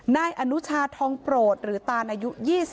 นายอนุชาททองโปรดตาลอายุ๒๐